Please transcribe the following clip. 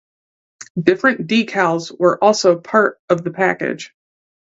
Different decals were also part of the package.